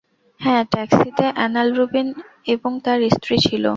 হ্যাঁ, ট্যাক্সিতে Alan Rubin এবং তাঁর স্ত্রী ছিল।